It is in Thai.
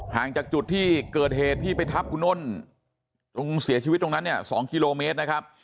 จากจุดที่เกิดเหตุที่ไปทับกูโน่นจนเสียชีวิตตรงนั้นเนี่ย๒กิโลเมตรนะครับ